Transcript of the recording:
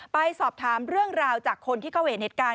ไปสอบถามเรื่องราวจากคนที่เขาเห็นเหตุการณ์